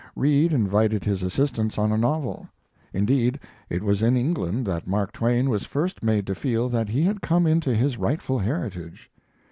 Reade invited his assistance on a novel. Indeed, it was in England that Mark Twain was first made to feel that he had come into his rightful heritage.